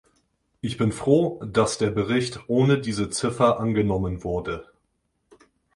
Ich bin froh, dass der Bericht ohne diese Ziffer angenommen wurde.